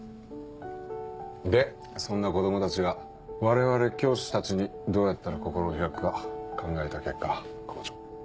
でそんな子供たちが我々教師たちにどうやったら心を開くか考えた結果校長。